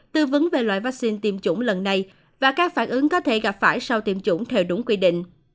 tư vấn về loại vaccine tiêm chủng lần này và các phản ứng có thể gặp phải sau tiêm chủng theo đúng quy định